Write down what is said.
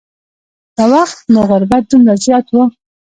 دا وخت نو غربت دومره زیات و.